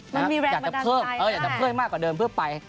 มันมีแรงประดันใจอยากจะเพิ่มมากกว่าเดิมเพื่อไป